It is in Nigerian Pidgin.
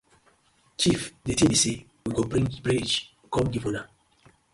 Chief di tin bi say we go bring bridge kom giv una.